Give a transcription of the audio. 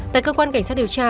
tại cơ quan cảnh sát điều tra